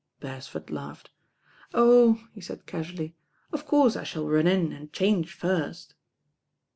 Beresford laughed. "Oh," he said casually, "of course, I ahall run in and change first."